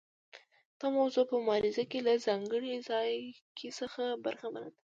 دا موضوع په مبارزه کې له ځانګړي ځایګي څخه برخمنه ده.